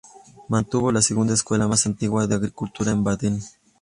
Mantuvo la segunda escuela más antigua de agricultura en Baden.